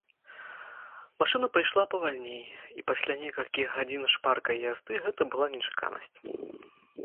Машына пайшла павальней, і пасля некалькіх гадзін шпаркай язды гэта была нечаканасць.